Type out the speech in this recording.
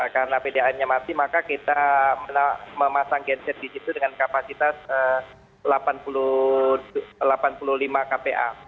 karena pdam nya mati maka kita memasang genset di situ dengan kapasitas delapan puluh lima kpa